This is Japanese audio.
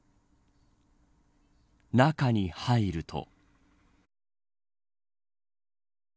中に入ると。